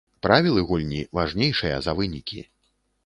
Правілы гульні важнейшыя за вынікі.